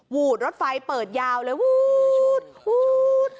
วูดรถไฟเปิดยาวเลยวูด